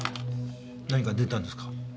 何か出たんですか？